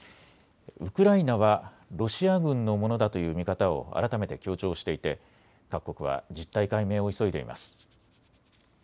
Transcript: ウクライナはロシア軍のものだという見方を改めて強調していて各国は実態解明を急いでいます。